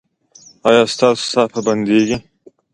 ایا ستاسو ساه به بندیږي؟